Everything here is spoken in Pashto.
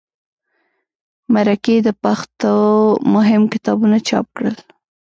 مرکې د پښتو مهم کتابونه چاپ کړل.